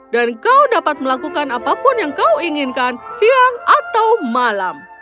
dan kau dapat melakukan apapun yang kau inginkan siang atau malam